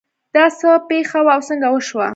دا څه پېښه وه او څنګه وشوه